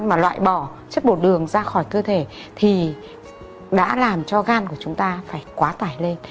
mà loại bỏ chất bột đường ra khỏi cơ thể thì đã làm cho gan của chúng ta phải quá tải lên